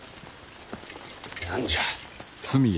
何じゃ。